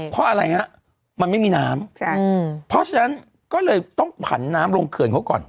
เพราะอะไรฮะมันไม่มีน้ำเพราะฉะนั้นก็เลยต้องผันน้ำลงเขื่อนเขาก่อน